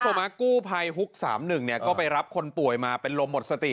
กู้ภัยฮุก๓๑เนี่ยก็ไปรับคนป่วยมาเป็นลมหมดสติ